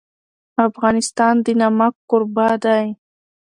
افغانستان د نمک کوربه دی.